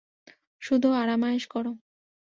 শুধু আরাম-আয়েশ করো।